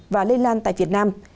và lây lan tại việt nam